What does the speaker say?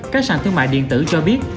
các sản thương mại điện tử cho biết